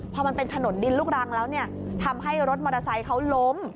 พอมันเป็นถนนดินลูกรังแล้วเนี่ยทำให้รถมอเตอร์ไซค์เขาล้ม